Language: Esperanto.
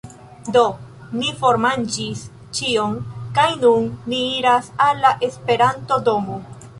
Do, ni formanĝis ĉion kaj nun ni iras al la Esperanto-domo